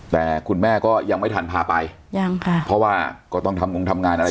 แต่คุณแม่ก็ยังไม่ทันพาไปยังค่ะเพราะว่าก็ต้องทำงงทำงานอะไร